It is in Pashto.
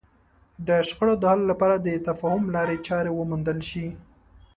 د شخړو د حل لپاره د تفاهم لارې چارې وموندل شي.